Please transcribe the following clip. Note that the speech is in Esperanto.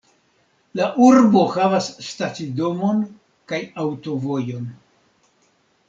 La urbo havas stacidomon kaj aŭtovojon.